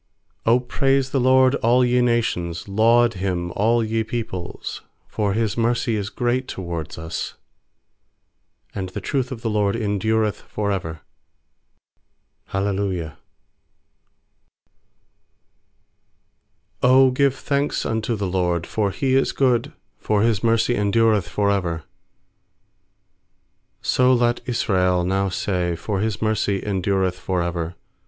1 1 *7 0 praise the LORD, all ye nations; Laud Him, all ye peoples. 2 For His mercy is great toward us; And the truth of the LORD en dureth for ever. Hallelujah. 1 1 ft '0 give thanks unto the LORD. 1X0 for He is good, For His mercy endureth for ever/ 2So let Israel now say, For His mercy endureth for ever.